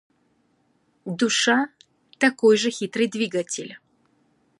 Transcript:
Душа – такой же хитрый двигатель.